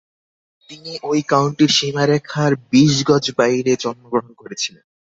তিনি ঐ কাউন্টির সীমারেখার বিশ গজ বাইরে জন্মগ্রহণ করেছিলেন।